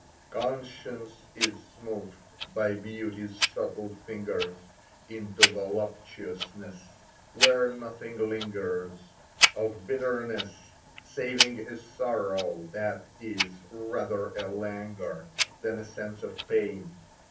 Consience is smoothed by beauty's subtle fingers Into voluptuousness, where nothing lingers Of bitterness, saving a sorrow that is Rather a languor than a sense of pain.